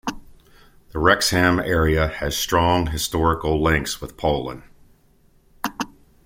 The Wrexham area has strong historical links with Poland.